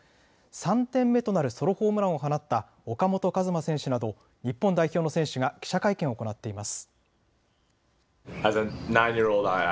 ３点目となるソロホームランを放った岡本和真選手など日本代表の選手が記者会見を行っています。